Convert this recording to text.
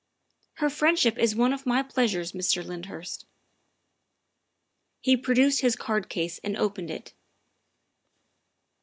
" Her friendship is one of my pleasures, Mr. Lynd hurst." He produced his card case and opened it.